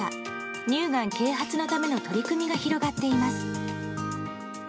乳がん啓発のための取り組みが広がっています。